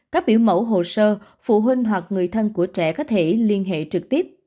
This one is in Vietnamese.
các biểu mẫu hồ sơ phụ huynh hoặc người thân của trẻ có thể liên hệ trực tiếp